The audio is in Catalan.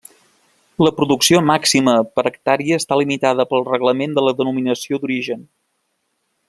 La producció màxima per hectàrea està limitada pel Reglament de la denominació d'origen.